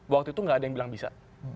waktu itu gak ada yang bilang bisa